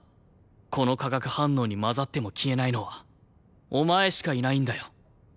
この化学反応に交ざっても消えないのはお前しかいないんだよ。